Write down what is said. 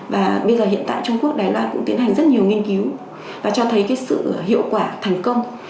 và bây giờ hiện tại trung quốc đài loan cũng tiến hành rất nhiều nghiên cứu và cho thấy cái sự hiệu quả thành công